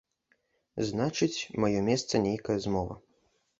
Значыць, мае месца нейкая змова.